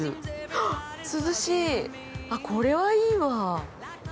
はっ涼しいあっこれはいいわ。